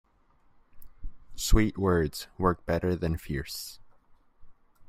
Sweet words work better than fierce.